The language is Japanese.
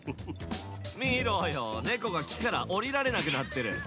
見ろよ、猫が木から下りられなくなってる。